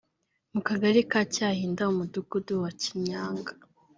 mu Kagari ka Cyahinda mu Mudugudu wa Kinyaga